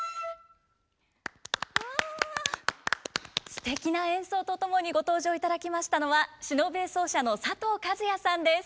すてきな演奏と共にご登場いただきましたのは篠笛奏者の佐藤和哉さんです。